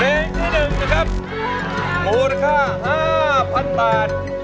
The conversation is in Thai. เพลงที่๑นะครับมูลค่า๕๐๐๐บาท